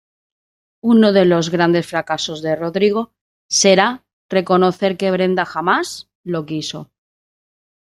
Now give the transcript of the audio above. Uno de los grandes fracasos de Rodrigo será reconocer que Brenda jamás lo quiso.